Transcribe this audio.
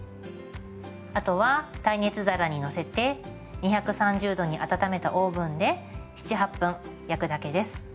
あとは耐熱皿に載せて２３０℃に温めたオーブンで７８分焼くだけです。